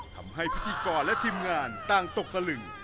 ทำให้พิธีกรและทีมงานต้างตกตะลึง